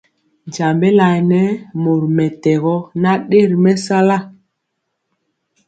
Tyiembé laɛ nɛ mori mɛtɛgɔ nan dɛ ri mɛsala.